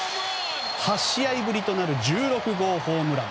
８試合ぶりとなる１６号ホームラン。